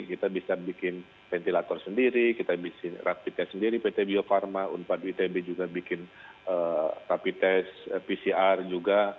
kita bisa bikin ventilator sendiri kita bikin rapidnya sendiri pt bio farma unpad itb juga bikin rapid test pcr juga